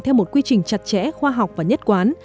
theo một quy trình chặt chẽ khoa học và nhất quán